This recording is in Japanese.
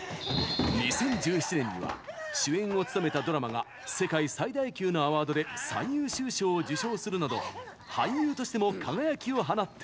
２０１７年には、主演を務めたドラマが世界最大級のアワードで最優秀賞を受賞するなど俳優としても輝きを放っています。